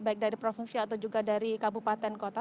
baik dari provinsi atau juga dari kabupaten kota